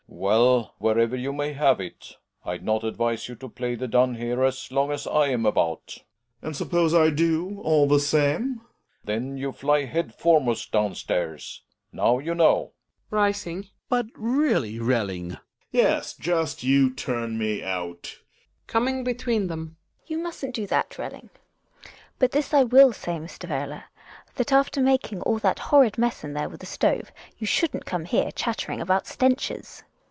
Reeling. Well, wherever you may have it, I'd no* advise you to play the dun here as long as I'm about. Gregers. And suppose I do all the same ? Reeling. Then you fly head foremost down stairs. Now you know. THE WILD DUCK. 88 ^ Hjalmar {rising). But really, Relling I GiiEtiERS. Yes, just you turn me out GiNA {coming between them). You mustn't do that, / Belling. But this I will say, Mr. Werle, that after I making all that horrid mess in there with the stove, you shouldn't come here chattering about stenches.